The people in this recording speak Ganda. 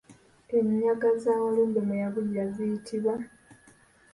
Ennyanga za Walumbe mwe yabulira ziyitibwa?